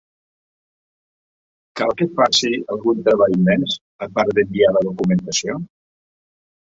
Cal que faci algun treball més, a part d'enviar la documentació?